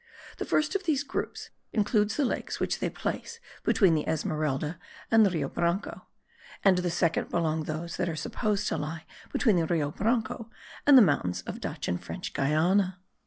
The first of these groups includes the lakes which they place between the Esmeralda and the Rio Branco; and to the second belong those that are supposed to lie between the Rio Branco and the mountains of Dutch and French Guiana.